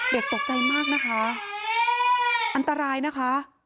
เด็กตกใจมากนะคะอันตรายนะคะ